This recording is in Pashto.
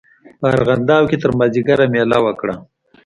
په ارغنداو کې تر مازیګره مېله وکړه.